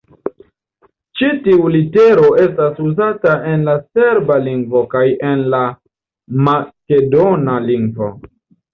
Ĉi tiu litero estas uzata en la serba lingvo kaj en la makedona lingvo.